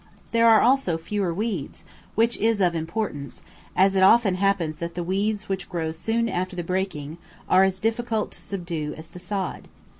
There are also fewer weeds, which is of importance, as it often happens that the weeds which grow soon after the breaking are as difficult to subdue as the sod.